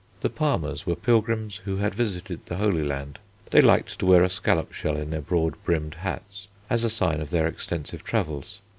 The palmers were pilgrims who had visited the Holy Land. They liked to wear a scallop shell in their broad brimmed hats as a sign of their extensive travels.